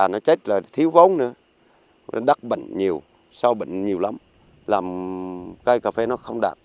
nó chết là thiếu vốn nữa đắk bệnh nhiều sâu bệnh nhiều lắm làm cây cà phê nó không đạt